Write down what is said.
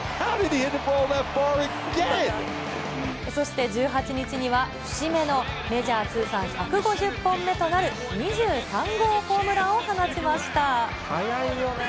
そして、１８日には節目のメジャー通算１５０本目となる２３号ホームラ早いよね。